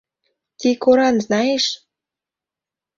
Ти коран знаиш?